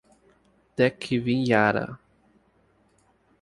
Dekkvinjara.